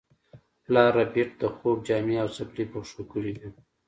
پلار ربیټ د خوب جامې او څپلۍ په پښو کړې وې